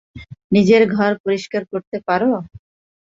নিজের ঘর পরিষ্কার করতে পারো?